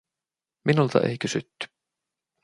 Minulta ei kysytty.